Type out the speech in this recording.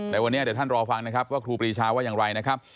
ในวันนี้เดี๋ยวท่านรอฟังนะครับว่าครูปรีชาว่าอย่างไรนะครับ